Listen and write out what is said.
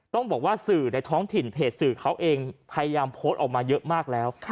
ต้องบอกว่าสื่อในท้องถิ่นเพจสื่อเขาเองพยายามโพสต์ออกมาเยอะมากแล้ว